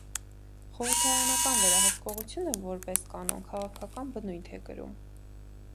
Խորհրդարանական վերահսկողությունը որպես կանոն քաղաքական բնույթ է կրում։